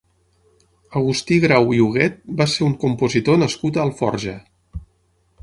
Agustí Grau i Huguet va ser un compositor nascut a Alforja.